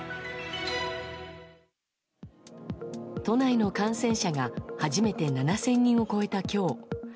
都内の感染者が初めて７０００人を超えた今日。